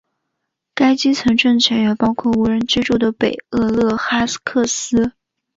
该基层政权也包括无人居住的北厄勒哈克斯。